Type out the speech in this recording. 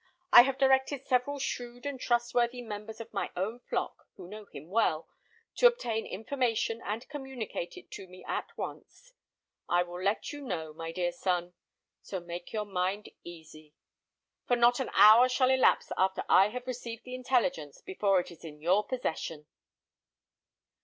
"I have directed several shrewd and trustworthy members of my own flock, who know him well, to obtain information, and communicate it to me at once. I will then let you know, my dear son. So make your mind easy, for not an hour shall elapse after I have received the intelligence before it is in your possession."